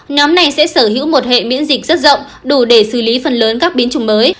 nhóm này sẽ sở hữu một hệ miễn dịch rất rộng đủ để xử lý phần lớn các biến chủng mới